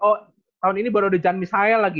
oh tahun ini baru ada jan misael lagi